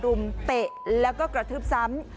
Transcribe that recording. รุมเตะแล้วก็กระทืบซ้ำ